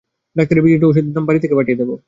ডাক্তারের ভিজিট ও ওষুধের দাম বাড়ি থেকে পাঠিয়ে দেব।